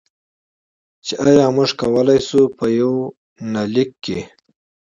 چې ایا موږ کولی شو، په یونلیک کې.